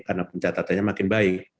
karena pencatatannya makin baik